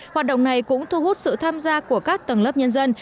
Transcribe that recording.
hoạt động này cũng thu hút sự tham gia của các tầng lớp nhân dân